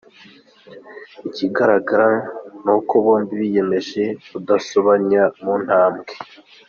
Ikigaragara, ni uko bombi biyemeje kudasobanya mu ntambwe.